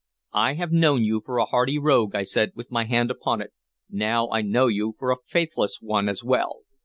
"I have known you for a hardy rogue," I said, with my hand upon it; "now I know you for a faithless one as well.